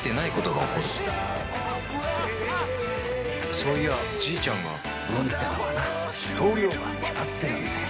そういやじいちゃんが運ってのはな量が決まってるんだよ。